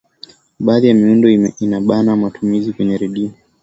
baadhi ya miundo inabana matumizi kwenye redio